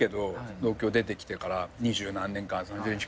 東京出てきてから二十何年間３０年近く。